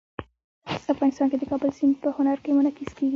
افغانستان کې د کابل سیند په هنر کې منعکس کېږي.